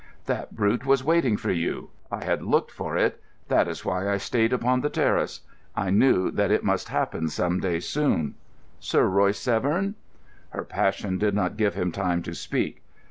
"That brute was waiting for you. I had looked for it. That is why I stayed upon the terrace. I knew that it must happen some day soon." "Sir Royce Severn?" Her passion did not give him time to speak.